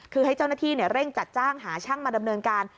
คือให้เจ้าหน้าที่เร่งจัดจ้างหาช่างมาดำเนินการ